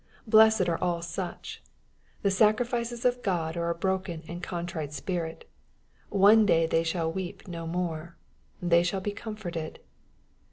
Blessed are all such I ^^ The sacrifices of God are a broken and contrite spirit." One day they shall weep no more. " They shall be comforted."